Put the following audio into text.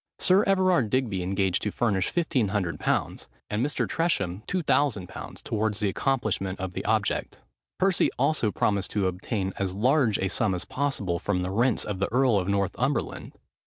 Sir Everard Digby engaged to furnish 1500_l._, and Mr. Tresham 2000_l._, towards the accomplishment of the object. Percy also promised to obtain as large a sum as possible from the rents of the earl of Northumberland.